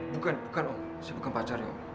bukan bukan om saya bukan pacarnya om